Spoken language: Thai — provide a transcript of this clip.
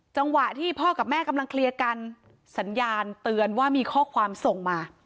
จังหวะที่พ่อกับแม่กำลังเคลียร์กันสัญญาณเตือนว่ามีข้อความส่งมา